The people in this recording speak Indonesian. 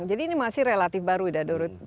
jadi ini masih relatif baru ya